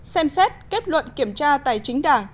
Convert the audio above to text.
xem xét kết luận kiểm tra tài chính đảng